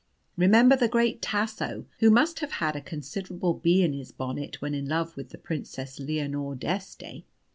Remember the great Tasso, who must have had a considerable bee in his bonnet when in love with the Princess Leonore d'Este.